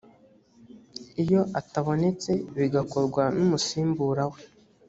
iyo atabonetse bigakorwa n’umusimbura we